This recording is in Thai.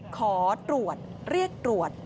ขอตรวจเรียกตรวจ